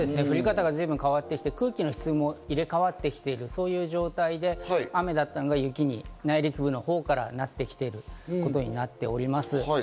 降り方がずいぶん変わってきて、空気の質も入れ替わってきている状態で、雨だったのが雪に、内陸部のほうからなってきていることになっております。